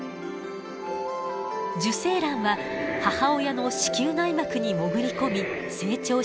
受精卵は母親の子宮内膜に潜り込み成長していきます。